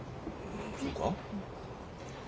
そうか？